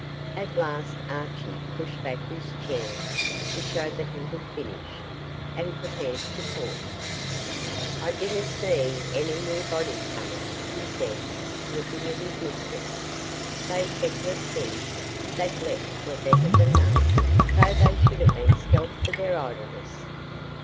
At last Archie pushed back his chair to show that he had finished, and prepared to talk. 'I dinna see ony new bodies coming,' he said, looking at his mistress. 'They, feckless things, that left were better than none, though they should hae been skelped for their idleness.